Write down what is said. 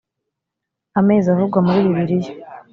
amezi avugwa muri bibiliya